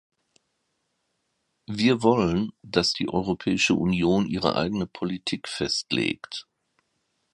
Wir wollen, dass die Europäische Union ihre eigene Politik festlegt.